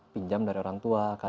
pinjam dari orang tua